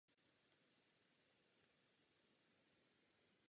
Působí na postu středního obránce.